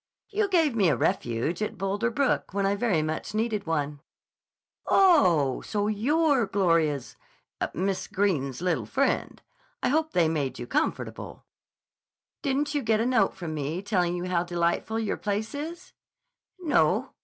"You gave me a refuge at Boulder Brook when I very much needed one." "Oh! So you're Gloria's—Miss Greene's little friend. I hope they made you comfortable." "Didn't you get a note from me telling you how delightful your place is?" "No.